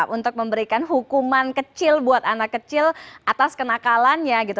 untuk memberikan hukuman kecil buat anak kecil atas kenakalannya gitu